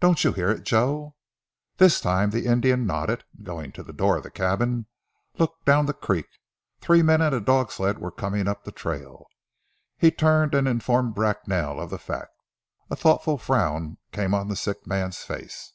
Don't you hear it, Joe?" This time the Indian nodded and going to the door of the cabin looked down the creek. Three men and a dog sled were coming up the trail. He turned and informed Bracknell of the fact. A thoughtful frown came on the sick man's face.